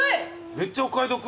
めっちゃお買い得。